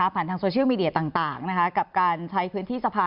ผ่านทางโซเชียลมีเดียต่างกับการใช้พื้นที่สภา